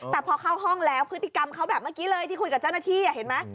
แต่พอเข้าห้องแล้วพฤติกรรมเขาแบบเมื่อกี้เลยที่คุยกับเจ้าหน้าที่เห็นไหม